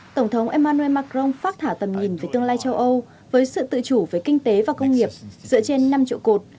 tổng thống emmanuel macron phát thả tầm nhìn về tương lai châu âu với sự tự chủ về kinh tế và công nghiệp dựa trên năm trụ cột